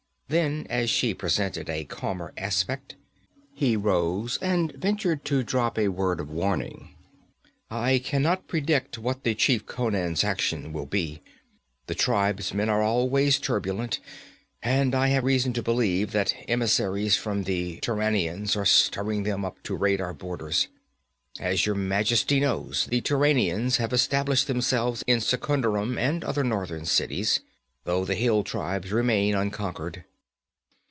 Then as she presented a calmer aspect, he rose and ventured to drop a word of warning. 'I can not predict what the chief Conan's action will be. The tribesmen are always turbulent, and I have reason to believe that emissaries from the Turanians are stirring them up to raid our borders. As your majesty knows, the Turanians have established themselves in Secunderam and other northern cities, though the hill tribes remain unconquered.